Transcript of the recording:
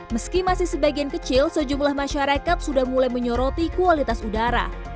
meski masih sebagian kecil sejumlah masyarakat sudah mulai menyoroti kualitas udara